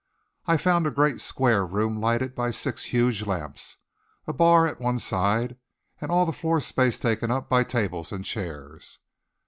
I found a great square room lighted by six huge lamps, a bar at one side, and all the floor space taken up by tables and chairs.